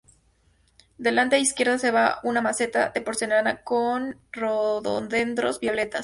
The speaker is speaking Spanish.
Delante, a la izquierda, se ve una maceta de porcelana con rododendros violetas.